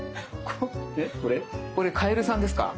これカエルさんですか？